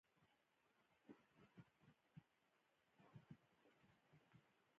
اروپایان د سوداګرۍ لپاره هند ته راغلل.